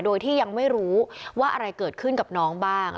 โดยที่ยังไม่รู้ว่าอะไรเกิดขึ้นกับน้องบ้าง